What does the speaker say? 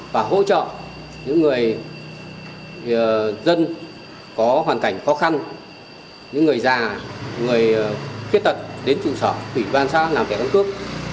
và hỗ trợ những người dân có hoàn cảnh khó khăn những người già người khiết tật đến trụ sở tủy ban xã làm thẻ cân cước